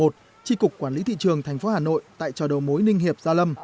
tri cục quản lý thị trường tp hà nội tại chợ đầu mối ninh hiệp